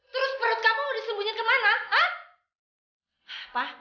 terus perut kamu mau disembunyi kemana